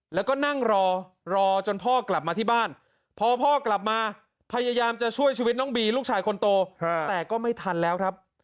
แล้วก็นั่งรอรอจนพ่อกลับมาที่บ้านพอพ่อกลับมาพยายามจะช่วยชีวิตน้องบีลูกชายคนโตแต่ก็ไม่ทันแล้วครับ